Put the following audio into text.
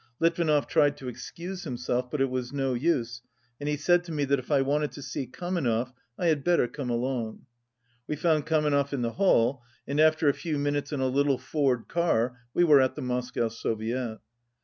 Litvinov tried to excuse himself, but it was no use, and he said to me that if I wanted to see Kamenev I had better come along. We found Kamenev in the hall, and after a few minutes in a little Ford car we were at the Moscow Soviet.